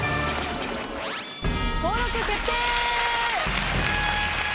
登録決定！